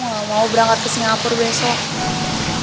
nggak mau berangkat ke singapura besok